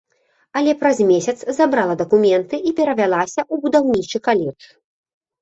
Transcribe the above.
Але праз месяц забрала дакументы і перавялася ў будаўнічы каледж.